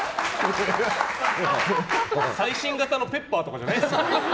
最新型のペッパーとかじゃないですよ。